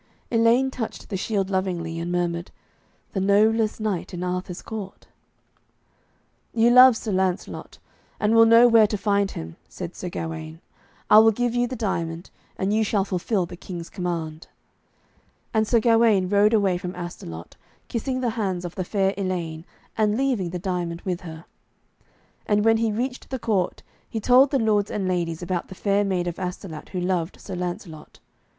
Elaine touched the shield lovingly, and murmured, 'The noblest knight in Arthur's court.' 'You love Sir Lancelot, and will know where to find him,' said Sir Gawaine. 'I will give you the diamond, and you shall fulfil the King's command.' And Sir Gawaine rode away from Astolat, kissing the hands of the fair Elaine, and leaving the diamond with her. And when he reached the court he told the lords and ladies about the fair maid of Astolat who loved Sir Lancelot.